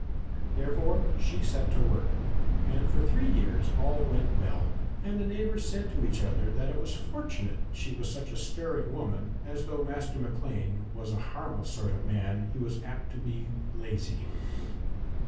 Therefore she set to work, and for three years all went well, and the neighbours said to each other that it was fortunate she was such a stirring woman, as though Master Maclean was a harmless sort of man he was apt to be lazy.